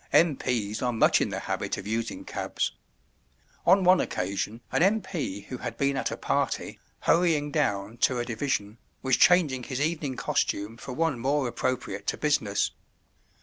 M.P.'s are much in the habit of using cabs. On one occasion an M.P. who had been at a party, hurrying down to a division, was changing his evening costume for one more appropriate to business.